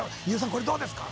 これどうですか？